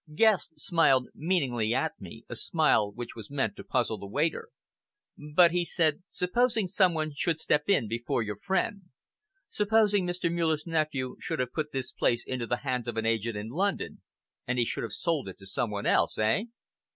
Guest smiled meaningly at me, a smile which was meant to puzzle the waiter. "But," he said, "supposing some one should step in before your friend? Supposing Mr. Muller's nephew should have put this place into the hands of an agent in London, and he should have sold it to some one else! Eh?"